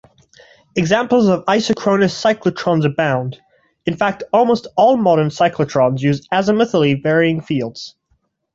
Examples of isochronous cyclotrons abound; in fact almost all modern cyclotrons use azimuthally-varying fields.